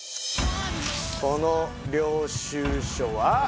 この領収書は。